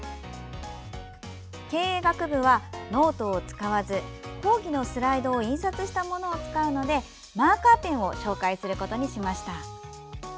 経営学部はノートを使わず講義のスライドを印刷したものを使うのでマーカーペンを紹介することにしました。